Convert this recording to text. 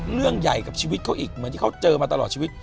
เรื่องใหญ่กับชีวิตเขาอีกเหมือนที่เขาเจอมาตลอดชีวิต